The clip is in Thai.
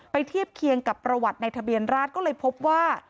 เทียบเคียงกับประวัติในทะเบียนราชก็เลยพบว่า